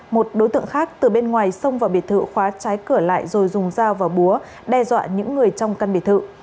một đối tượng khác từ bên ngoài xông vào biệt thự khóa trái cửa lại rồi dùng dao và búa đe dọa những người trong căn biệt thự